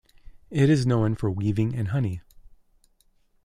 It is known for weaving and honey.